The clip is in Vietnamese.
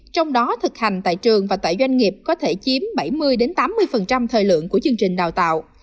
trong đó thực hành tại trường và tại doanh nghiệp có thể chiếm bảy mươi tám mươi thời lượng của chương trình đào tạo